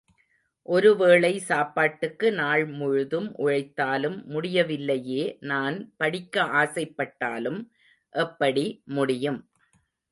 ஒரு வேளை சாப்பாட்டுக்கு நாள் முழுதும் உழைத்தாலும், முடியவில்லையே நான் படிக்க ஆசைப்பட்டாலும் எப்படி முடியும்.